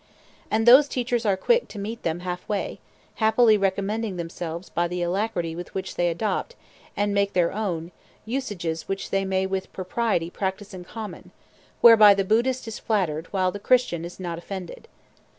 And those teachers are quick to meet them half way, happily recommending themselves by the alacrity with which they adopt, and make their own, usages which they may with propriety practise in common, whereby the Buddhist is flattered while the Christian is not offended.